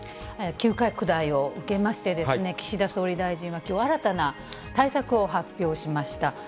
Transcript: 急拡大を受けまして、岸田総理大臣はきょう、新たな対策を発表しました。